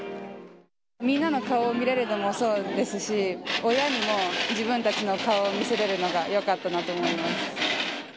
みんなの顔見れるのもそうですし、親にも自分たちの顔が見せれるのがよかったなと思います。